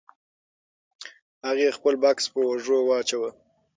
هغې خپل بکس په اوږه واچاوه.